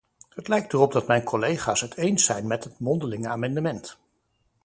Het lijkt erop dat mijn collega's het eens zijn met het mondelinge amendement.